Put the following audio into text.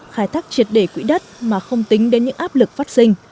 khai thác triệt đề quỹ đất mà không tính đến những áp lực phát sinh